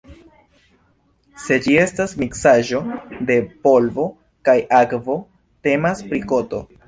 Se ĝi estas miksaĵo de polvo kaj akvo, temas pri koto.